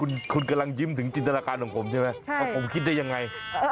คุณกำลังยิ้มถึงจินตนาการของผมใช่ไหมว่าผมคิดได้ยังไง